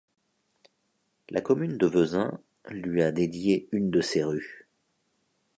La commune de Vezins lui a dédié une de ses rues.